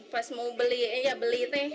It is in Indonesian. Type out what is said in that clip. pas mau beli ya beli teh